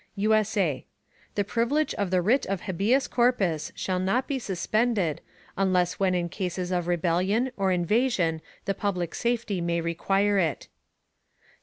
_ [USA] The Privilege of the Writ of Habeas Corpus shall not be suspended, unless when in Cases of Rebellion or Invasion the public Safety may require it.